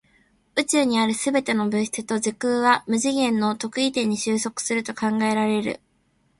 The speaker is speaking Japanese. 宇宙にある全ての物質と時空は無次元の特異点に収束すると考えられる。